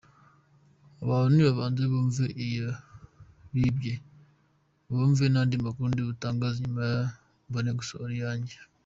Abantu nibabanze bumve iyo bibye, bumve n’andi makuru ndibutangaze, hanyuma mbone gusohora iyanjye.